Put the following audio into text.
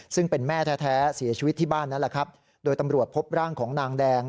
ซึ่งเป็นแม่แท้เสียชีวิตที่บ้านนั่นแหละครับโดยตำรวจพบร่างของนางแดง